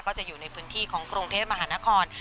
ก็จะอยู่ในพื้นที่ของกรุงเทพมหานคร